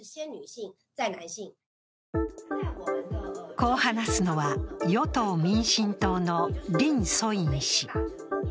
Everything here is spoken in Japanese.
こう話すのは、与党・民進党の林楚茵氏。